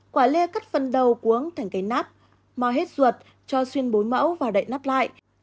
quả lê cắt phần đầu cuống thành cây nát mò hết ruột cho xuyên bốn mẫu và đậy nắp lại